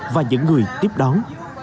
qua những người tiếp đón